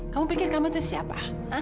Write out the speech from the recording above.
kamu pikir kamu itu siapa